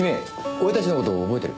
俺たちの事覚えてる？